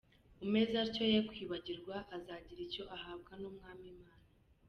Umeze atyo ye kwibwira ko azagira icyo ahabwa n'Umwami Imana.